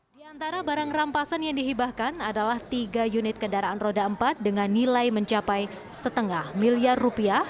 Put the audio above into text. di antara barang rampasan yang dihibahkan adalah tiga unit kendaraan roda empat dengan nilai mencapai setengah miliar rupiah